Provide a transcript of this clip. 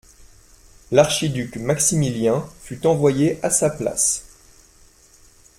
L'archiduc Maximilien fut envoyé à sa place.